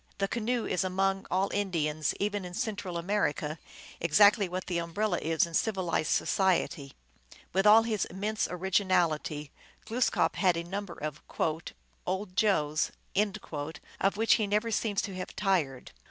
The canoe is among all Indians, even in Central America, exactly what the umbrella is in civilized society. With all his immense originality Glooskap had a number of " old Joes," of which he never seems to have tired.